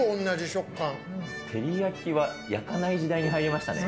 照り焼きは焼かない時代に入りましたね。